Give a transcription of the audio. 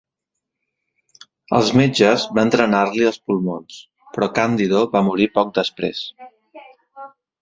Els metges van drenar-li els pulmons, però Candido va morir poc després.